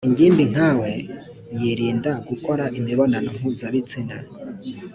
ingimbi nkawe yiirinda gukora imibonano mpuzabitsina .